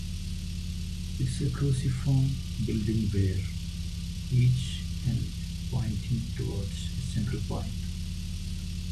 It is a cruciform building where each end pointing towards a central point.